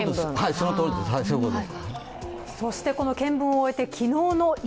そのとおりです。